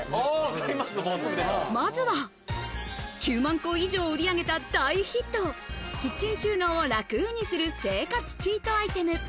まずは、９万個以上を売り上げた大ヒット、キッチン収納を楽にする生活チートアイテム。